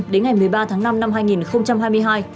đến ngày một mươi ba tháng năm năm hai nghìn hai mươi hai